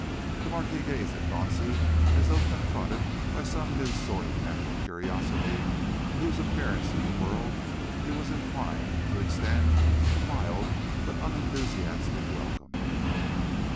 The Marquis gazed at Dauncey as though confronted by some new sort of natural curiosity to whose appearance in the world he was inclined to extend a mild but unenthusiastic welcome.